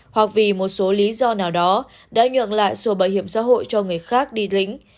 hoặc vì một số lý do nào đó đã nhượng lại sổ bảo hiểm xã hội cho người khác đi lĩnh